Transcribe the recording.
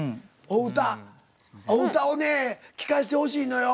お歌をね聴かしてほしいのよ。